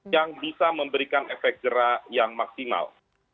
yang bisa memberikan efek jerah yang maksimal